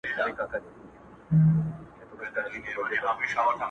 “ما چي د زاهد کیسه کول تاسي به نه منل-